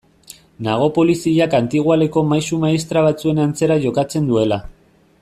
Nago poliziak antigoaleko maisu-maistra batzuen antzera jokatzen duela.